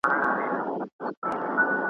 پکښي لوښي د لکونو دي زعفران دي .